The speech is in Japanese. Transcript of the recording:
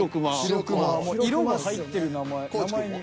色が入ってる名前名前に。